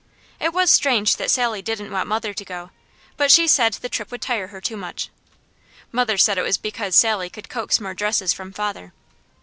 It was strange that Sally didn't want mother to go, but she said the trip would tire her too much. Mother said it was because Sally could coax more dresses from father.